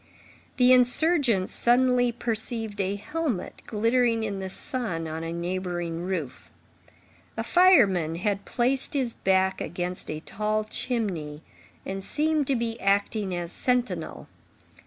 The insurgents suddenly perceived a helmet glittering in the sun on a neighboring roof. A fireman had placed his back against a tall chimney, and seemed to be acting as sentinel.